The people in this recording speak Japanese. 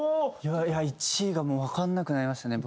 １位がもうわかんなくなりましたね